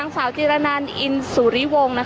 นสาวจิลานันอินโซรีวง